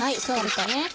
そうですね。